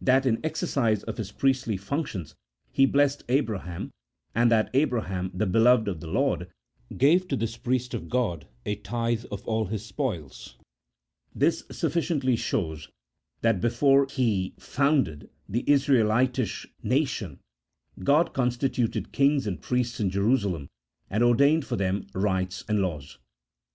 that in exercise of his priestly functions he blessed Abra ham, and that Abraham the beloved of the Lord gave to this priest of God a tithe of all his spoils. This sufficiently shows that before He founded the Israelitish nation God constituted kings and priests in Jerusalem, and ordained for them rites and laws.